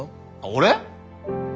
俺？